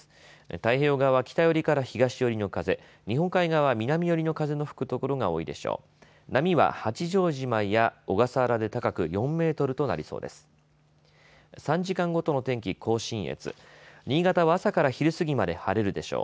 太平洋側は北寄りから東寄りの風、日本海側は南寄りの風の吹く所が多いでしょう。